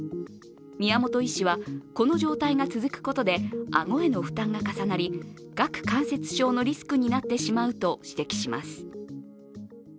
宮本医師はこの状態が続くことで顎への負担が重なり顎関節症のリスクになってしまうと指摘します。